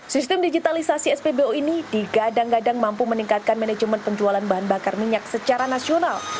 sistem digitalisasi spbu ini digadang gadang mampu meningkatkan manajemen penjualan bahan bakar minyak secara nasional